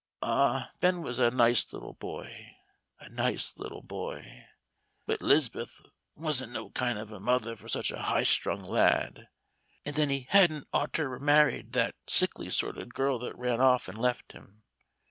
Ah, Ben was a nice little boy a nice little boy. But 'Liz'beth wan't no kind of a mother for such a high strung lad. And then he hadn't oughter married that sickly sort of girl that ran off an' left him.